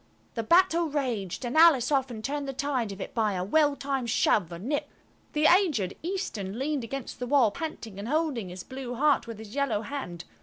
The battle raged, and Alice often turned the tide of it by a well timed shove or nip. The aged Eastern leaned against the wall, panting and holding his blue heart with his yellow hand.